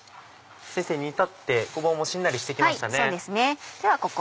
先生煮立ってごぼうもしんなりして来ましたね。